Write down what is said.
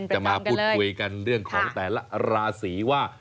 มาพูดคุยกันเรื่องของแต่ละราศีว่า